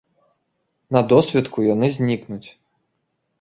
На досвітку яны знікнуць.